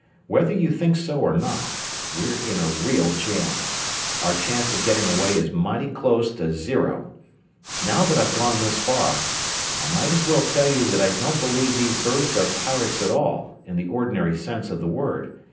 Whether you think so or not, we're in a real jam our chance of getting away is mightly close to zero. Now that I've gone this far, I might as well tell you that I don't believe these birds are pirates at all, in the ordinary sense of the word.